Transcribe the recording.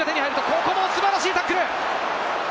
ここも素晴らしいタックル。